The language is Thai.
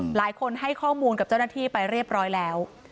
หลายคนให้ข้อมูลกับเจ้าหน้าที่ไปเรียบร้อยแล้ว